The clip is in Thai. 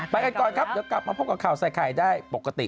ไปกันก่อนครับเดี๋ยวกลับมาพบกับข่าวใส่ไข่ได้ปกติ